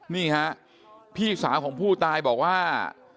นี่ฮะพี่สาวของผู้ตายบอกว่า